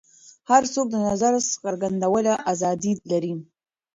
هر څوک د نظر څرګندولو ازادي لري.